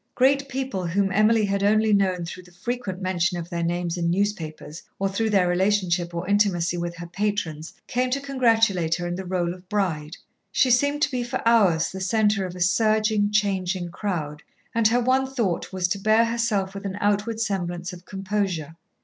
Great people whom Emily had only known through the frequent mention of their names in newspapers or through their relationship or intimacy with her patrons, came to congratulate her in her rôle of bride. She seemed to be for hours the centre of a surging, changing crowd, and her one thought was to bear herself with an outward semblance of composure.